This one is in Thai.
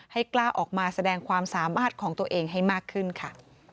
กล้าออกมาแสดงความสามารถของตัวเองให้มากขึ้นค่ะ